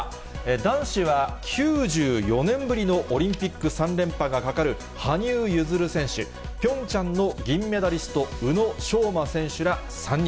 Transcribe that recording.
男子は９４年ぶりのオリンピック３連覇がかかる羽生結弦選手、ピョンチャンの銀メダリスト、宇野昌磨選手ら３人。